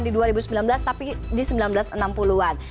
di dua ribu sembilan belas tapi di seribu sembilan ratus enam puluh an